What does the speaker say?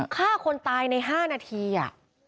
ฆ่าคนตายใน๕นาที